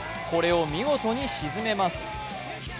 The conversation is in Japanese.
これを見事に沈めます。